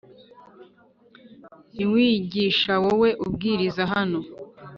ntiwiyigisha Wowe ubwiriza hano